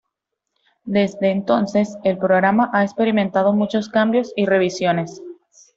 Desde entonces, el programa ha experimentado muchos cambios y revisiones.